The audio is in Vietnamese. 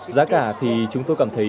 giá cả thì chúng tôi cảm thấy